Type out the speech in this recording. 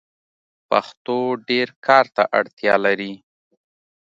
پښتو ډير کار ته اړتیا لري.